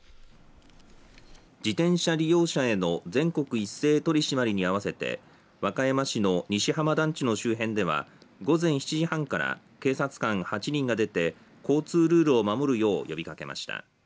自転車利用者への全国一斉取り締まりに合わせて和歌山市の西浜団地の周辺では午前７時半から警察官８人が出て交通ルールを守るよう呼びかけました。